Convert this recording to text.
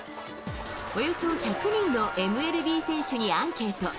およそ１００人のＭＬＢ選手にアンケート。